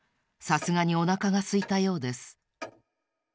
さすがにおなかがすいたようです。